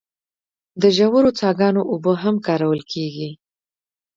د ژورو څاګانو اوبه هم کارول کیږي.